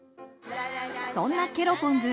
そんなケロポンズ